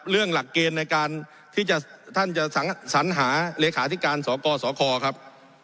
หลักเกณฑ์ในการที่ท่านจะสัญหาเลขาธิการสกสคครับ